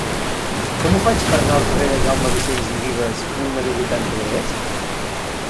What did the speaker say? Com ho faig per anar al carrer de Jaume Vicens i Vives número vuitanta-tres?